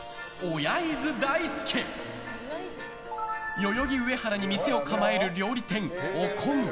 代々木上原に店を構える料理店おこん。